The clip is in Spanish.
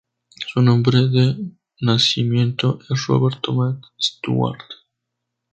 Su nombre de nacimiento es "Robert Thomas Stewart".